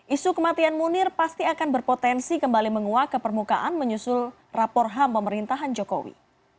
isu kematian munir pasti akan berpotensi kembali menguak ke permukaan menyusul rapor ham pemerintahan jokowi